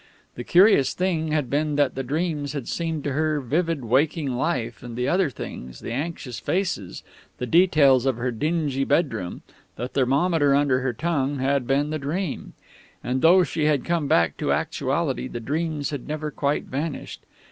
The curious thing had been that the dreams had seemed to be her vivid waking life, and the other things the anxious faces, the details of her dingy bedroom, the thermometer under her tongue had been the dream. And, though she had come back to actuality, the dreams had never quite vanished.